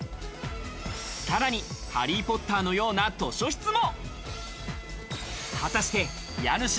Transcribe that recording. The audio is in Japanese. さらに『ハリー・ポッター』のような図書室も。